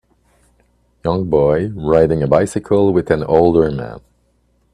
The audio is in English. Young boy riding a bicycle with an older man.